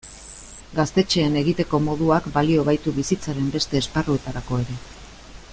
Gaztetxeen egiteko moduak balio baitu bizitzaren beste esparruetarako ere.